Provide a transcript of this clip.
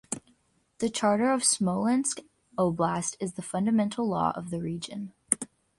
The Charter of Smolensk Oblast is the fundamental law of the region.